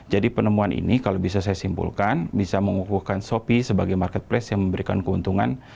jadi penemuan ini kalau bisa saya simpulkan bisa mengukuhkan shopee sebagai marketplace yang memberikan keuntungan